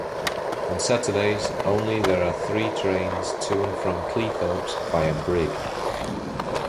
On Saturdays only there are three trains to and from Cleethorpes via Brigg.